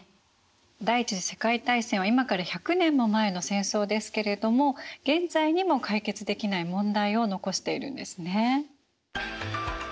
第一次世界大戦は今から１００年も前の戦争ですけれども現在にも解決できない問題を残しているんですね。